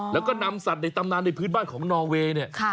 แล้วก็นำสัตว์ในตำนานในพื้นบ้านของนอเวย์เนี่ย